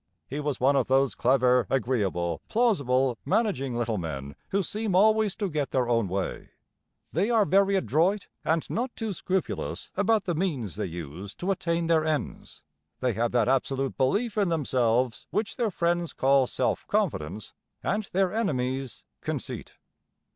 He was one of those clever, agreeable, plausible, managing little men who seem always to get their own way. They are very adroit and not too scrupulous about the means they use to attain their ends. They have that absolute belief in themselves which their friends call self confidence and their enemies conceit.